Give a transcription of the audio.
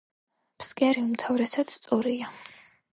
ფსკერი უმთავრესად სწორია.